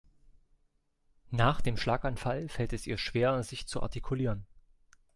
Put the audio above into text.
Nach dem Schlaganfall fällt es ihr schwer sich zu artikulieren.